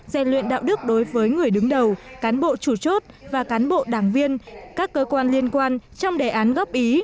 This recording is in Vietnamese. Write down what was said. dè luyện đạo đức đối với người đứng đầu cán bộ chủ chốt và cán bộ đảng viên các cơ quan liên quan trong đề án góp ý